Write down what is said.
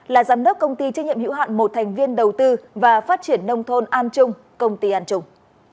là giám đốc công ty trách nhiệm hữu hạn một thành viên đầu tư và phát triển nông thôn an trung công ty an trung